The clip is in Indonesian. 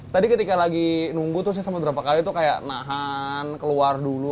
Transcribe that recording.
tadi ketika lagi menunggu saya seperti berapa kali itu menahan keluar dulu